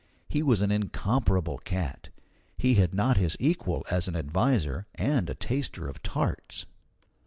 He was an incomparable cat. He had not his equal as an adviser and a taster of tarts.